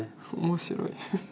面白い。